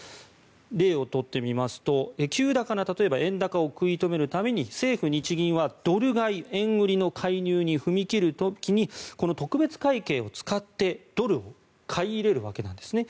例をとってみますと急激な円高を食い止めるために政府・日銀はドル買い・円売りの介入に踏み切る時にこの特別会計を使って、ドルを買い入れるわけなんですね。